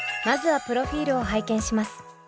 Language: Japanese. まずはプロフィールを拝見します。